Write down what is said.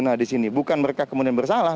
nah di sini bukan mereka kemudian bersalah